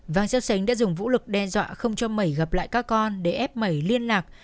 vàng xeo xánh đã dùng vũ lực để ép mẩy liên lạc